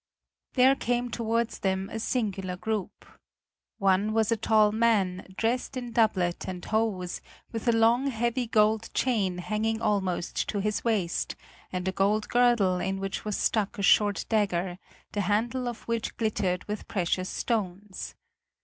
There came towards them a singular group. One was a tall man, dressed in doublet and hose, with a long heavy gold chain hanging almost to his waist, and a gold girdle in which was stuck a short dagger, the handle of which glittered with precious stones.